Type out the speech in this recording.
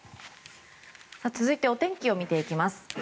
続いてお天気を見ていきます。